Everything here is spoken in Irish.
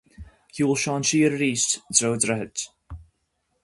Shiúil Seán siar arís i dtreo an droichid.